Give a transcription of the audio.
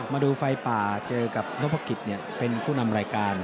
มาดูไฟป่าเจอกับนพกิจเป็นผู้นำรายการ